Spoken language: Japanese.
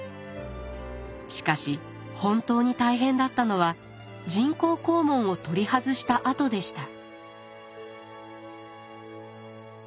しかし本当に大変だったのは人工肛門を取り外したあとでした。